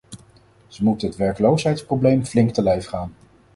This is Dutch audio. Ze moeten het werkloosheidsprobleem flink te lijf gaan.